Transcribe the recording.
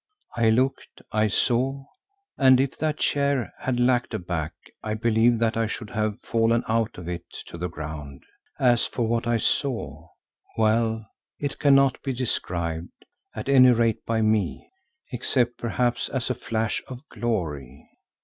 I looked, I saw, and if that chair had lacked a back I believe that I should have fallen out of it to the ground. As for what I saw—well, it cannot be described, at any rate by me, except perhaps as a flash of glory.